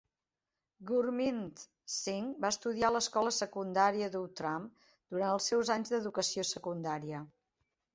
Gurmit Singh va estudiar a l'escola secundaria d'Outram durant els seus anys d'educació secundària.